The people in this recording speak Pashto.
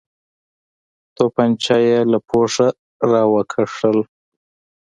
تمانچه يې له پوښه راوکښ.